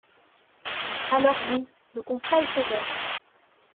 Alors oui, le constat est sévère.